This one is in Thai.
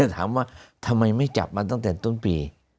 ถามว่าทำไมไม่จับมันตั้งแต่ต้นปี